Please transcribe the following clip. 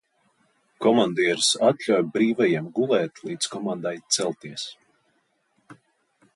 "Komandieris atļauj brīvajiem gulēt līdz komandai "celties"."